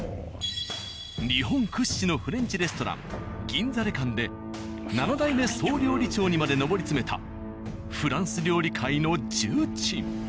日本屈指のフレンチレストラン「銀座レカン」で７代目総料理長にまで上り詰めたフランス料理界の重鎮。